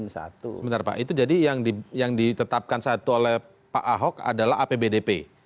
sebentar pak itu jadi yang ditetapkan satu oleh pak ahok adalah apbdp